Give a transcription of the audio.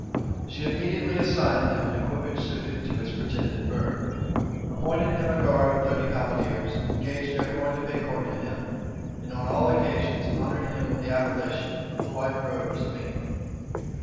{1493.} She immediately assigned him an equipage suited to his pretended birth; appointed him a guard of thirty halberdiers; engaged every one to pay court to him; and on all occasions honored him with the appellation of the White Rose of England.